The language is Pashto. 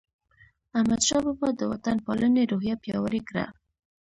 احمدشاه بابا د وطن پالنې روحیه پیاوړې کړه.